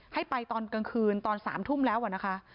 ให้ไปตอนกลางคืนตอน๓ทุ่มแล้วนะคะ